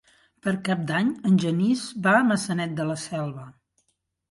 Per Cap d'Any en Genís va a Maçanet de la Selva.